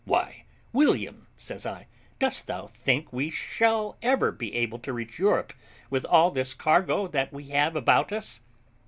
"Why, William," says I, "dost thou think we shall ever be able to reach Europe with all this cargo that we have about us?"